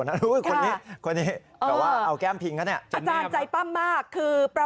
รอยิเวิ่นศรีนไปอยู่ไหมครับ